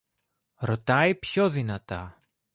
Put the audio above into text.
Ρωτάει πιο δυνατά